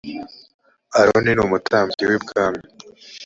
aroni numutambyi wibwami